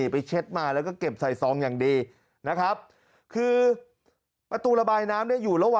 ไปเช็ดมาแล้วก็เก็บใส่ซองอย่างดี